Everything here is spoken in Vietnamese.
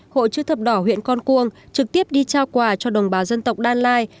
hội chữ thập đỏ huyện con cuông trực tiếp đi trao quà cho đồng bào dân tộc đan lai